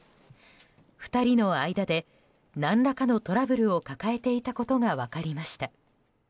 ２人の間で、何らかのトラブルを抱えていたことが分かりました。